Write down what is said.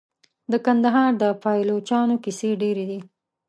د کندهار د پایلوچانو کیسې ډیرې دي.